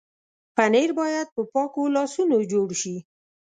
پنېر باید په پاکو لاسونو جوړ شي.